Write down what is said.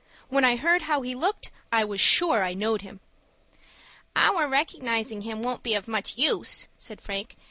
When I heard how he looked, I was sure I knowed him." "Our recognizing him won't be of much use," said Frank.